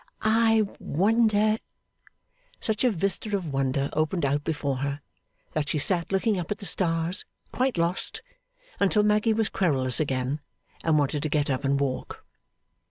I wonder ' Such a vista of wonder opened out before her, that she sat looking up at the stars, quite lost, until Maggy was querulous again, and wanted to get up and walk.